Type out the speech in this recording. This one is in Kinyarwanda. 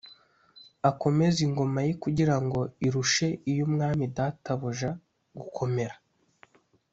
akomeze ingoma ye kugira ngo irushe iy’umwami databuja gukomera.”